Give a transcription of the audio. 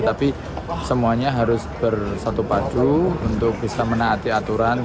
tapi semuanya harus bersatu padu untuk bisa menaati aturan